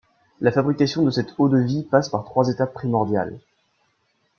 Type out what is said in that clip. La fabrication de cette eau-de-vie passe par trois étapes primordiales.